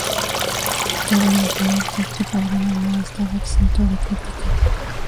Cabe mencionar que este programa no ha estado exento de críticas.